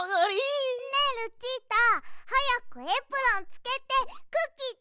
ねえルチータはやくエプロンつけてクッキーつくろう！